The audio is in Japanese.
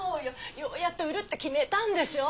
ようやく売るって決めたんでしょ？